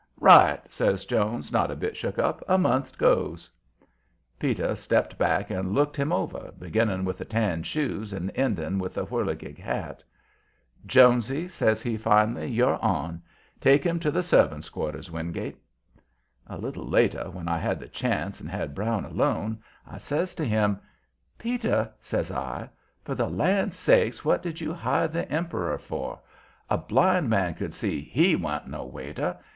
"Right!" says Jones, not a bit shook up. "A month goes." Peter stepped back and looked him over, beginning with the tan shoes and ending with the whirligig hat. "Jonesy," says he, finally, "you're on. Take him to the servants' quarters, Wingate." A little later, when I had the chance and had Brown alone, I says to him: "Peter," says I, "for the land sakes what did you hire the emperor for? A blind man could see HE wa'n't no waiter.